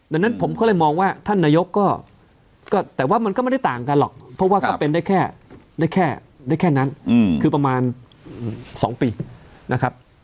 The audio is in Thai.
ดังนั้นผมก็เลยมองว่าท่านนายกก็แต่ว่ามันก็ไม่ได้ต่างกันหรอกเพราะว่าก็เป็นได้แค่ได้แค่ได้แค่นั้นคือประมาณ๒ปีนะครับ